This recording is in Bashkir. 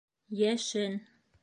Йәшен